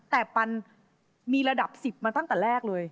แต่ปันมีระดับ๑๐มาตั้งแต่แรกเลย